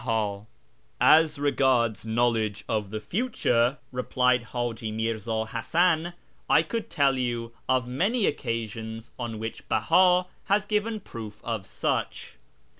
SHIRAZ 311 "As regards knowledge of the future," replied Haji Mirzd Hasan, " I could tell you of many occasions on which Beha has given proof of such.